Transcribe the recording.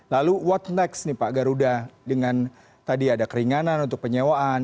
lalu what next nih pak garuda dengan tadi ada keringanan untuk penyewaan